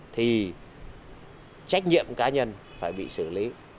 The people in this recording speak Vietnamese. thì trách nhiệm cá nhân phải bị xử lý